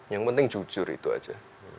yang penting jujur itu aja